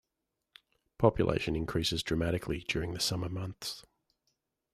Population increases dramatically during the summer months.